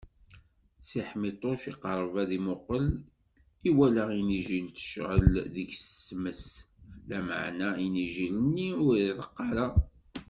Si Ḥmiṭuc iqerreb ad imuqel, iwala inijjel tecɛel deg-s tmes, lameɛna inijlel-nni ur ireqq ara.